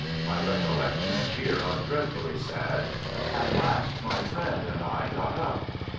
My recollections here are dreadfully sad. At last my friend and I got up.